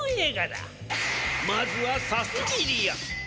まずはサスビリア。